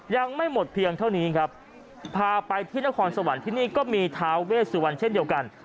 ยังไม่หมดเพียงเท่านี้ครับพาไปที่นครสวรรค์ที่นี่ก็มีท้าเวสวันเช่นเดียวกัน